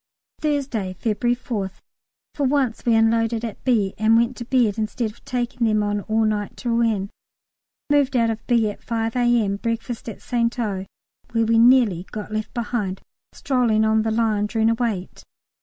Thursday, February 4th. For once we unloaded at B. and went to bed instead of taking them on all night to Rouen. Moved out of B. at 5 A.M., breakfast at St O., where we nearly got left behind strolling on the line during a wait.